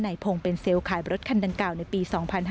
นายพงศ์เป็นเซลล์ขายรถคันดังเก่าในปี๒๕๖๑